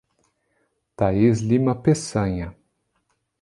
Thaís Lima Pessanha